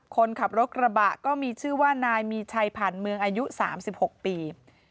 คนขับรถกระบะก็มีชื่อว่านายมีชัยผ่านเมืองอายุ๓๖ปี